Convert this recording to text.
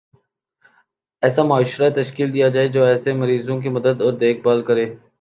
ایسا معاشرہ تشکیل دیا جائےجو ایسے مریضوں کی مدد اور دیکھ بھال کرے